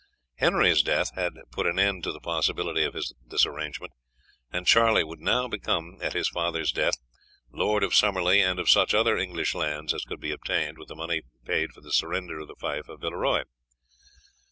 Henry's death had put an end to the possibility of this arrangement, and Charlie would now become, at his father's death, Lord of Summerley and of such other English lands as could be obtained with the money paid for the surrender of the fief of Villeroy.